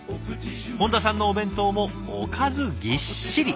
本多さんのお弁当もおかずぎっしり。